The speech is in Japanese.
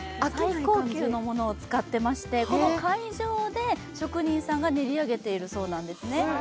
最高級のものを使っていましてこの会場で職人さんが練り上げているようなんですね。